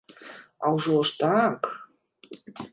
А ўжо ж, так!